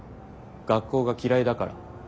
学校が嫌いだから。